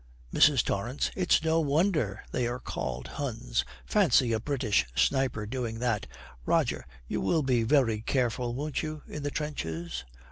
MRS. TORRANCE. 'It's no wonder they are called Huns. Fancy a British sniper doing that! Roger, you will be very careful, won't you, in the trenches?'